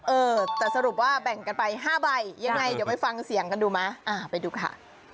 เออแต่สรุปว่าแบ่งกันไป๕ใบยังไงเดี๋ยวไปฟังเสียงกันดูไหมอ่าไปดูค่ะ